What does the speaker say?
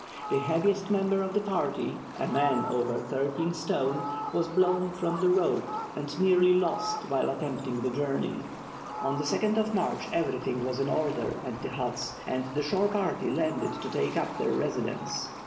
The heaviest member of the party, a man over thirteen stone, was blown from the rope and nearly lost while attempting the journey. On March 2 everything was in order at the huts, and the shore party landed to take up their residence.